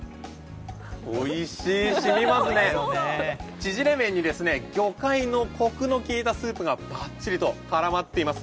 ちぢれ麺に魚介のコクの利いたスープがばっちりとハマっています。